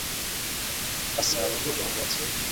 gasabo mu mujyi wa kigali